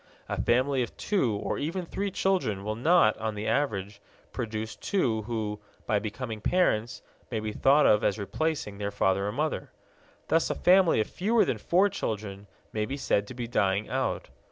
A family of two or even three children will not, on the average, produce two who, by becoming parents, may be thought of as replacing their father and mother. Thus a family of fewer than four children may be said to be dying out.